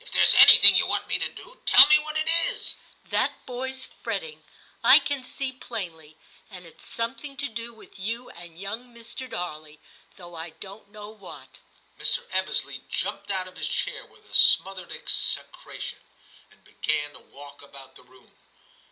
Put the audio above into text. there's anything you want me to do, tell me what it is/ * That boy's fretting, I can see plainly ; and It's something to do with you and young Mr. Darley, though I don't know what' Mr. Ebbesley jumped out of his chair with a smothered execration, and began to walk about the room.